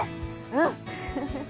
うん！